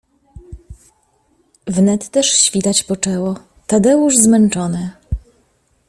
Wnet też świtać poczęło, Tadeusz zmęczony